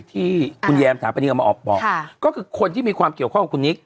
ที่คุณแยมถามไปนี้ก็มาออกบอกค่ะก็คือคนที่มีความเกี่ยวข้อของคุณนิก